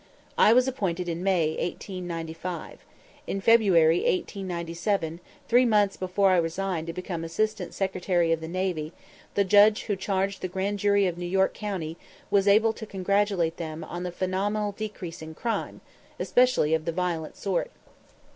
I was appointed in May, 1895. In February, 1897, three months before I resigned to become Assistant Secretary of the Navy, the Judge who charged the Grand Jury of New York County was able to congratulate them on the phenomenal decrease in crime, especially of the violent sort.